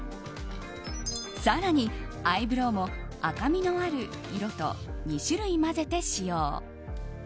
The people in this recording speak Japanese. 更に、アイブローも赤みのある色と２種類混ぜて使用。